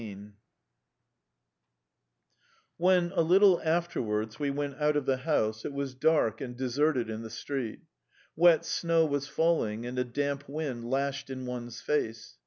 XIV[edit] When, a little afterwards, we went out of the house, it was dark and deserted in the street. Wet snow was falling and a damp wind lashed in one's face.